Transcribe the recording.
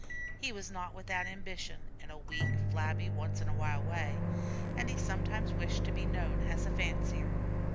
He was not without ambition, in a weak, flabby, once in a while way, and he sometimes wished to be known as a fancier.